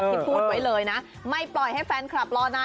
ก็รู้สึกว่าอยากจะโชว์เวลาเรา